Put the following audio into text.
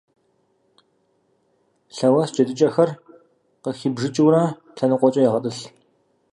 Лэуэс джэдыкӀэхэр къыхибжыкӀыурэ лъэныкъуэкӀэ егъэтӀылъ.